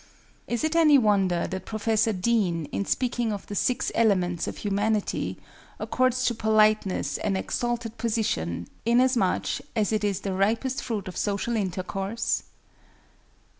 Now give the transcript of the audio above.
Is it any wonder that Professor Dean, in speaking of the six elements of Humanity, accords to Politeness an exalted position, inasmuch as it is the ripest fruit of social intercourse?